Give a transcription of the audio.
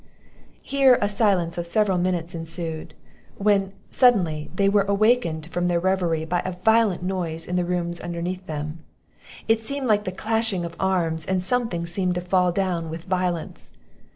Here a silence of several minutes ensued; when, suddenly, they were awakened from their reverie by a violent noise in the rooms underneath them. It seemed like the clashing of arms, and something seemed to fall down with violence.